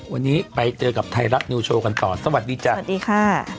วันนี้ไปเจอกับไทยรับนิวโชว์กันก่อนสวัสดีจ้ะ